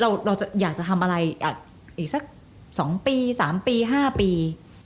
เราจะอยากจะทำอะไรอีกสัก๒ปี๓ปี๕ปี